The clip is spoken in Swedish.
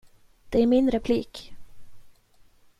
Det är min replik.